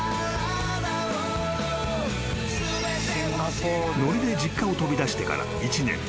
［ノリで実家を飛び出してから１年７カ月］